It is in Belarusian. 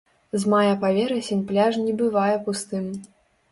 З мая па верасень пляж не бывае пустым.